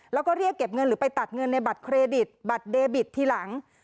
แล้วก็เรียกเก็บเงินหรือไปตัดเงินในบัตรเครดิตบัตรเดบิตทีหลัง